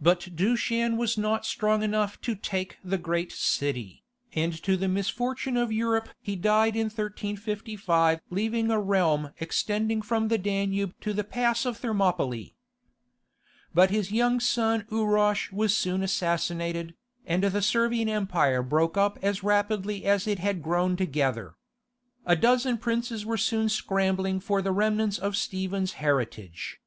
But Dushan was not strong enough to take the great city, and to the misfortune of Europe he died in 1355 leaving a realm extending from the Danube to the pass of Thermopylae. But his young son Urosh was soon assassinated, and the Servian Empire broke up as rapidly as it had grown together. A dozen princes were soon scrambling for the remnants of Stephen's heritage.